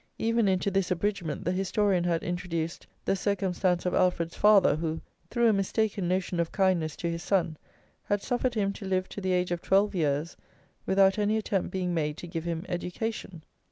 Even into this abridgment the historian had introduced the circumstance of Alfred's father, who, "through a mistaken notion of kindness to his son, had suffered him to live to the age of twelve years without any attempt being made to give him education."